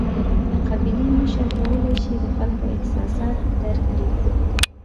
د قبیلې مشر کولای شي د خلکو احساسات درک کړي.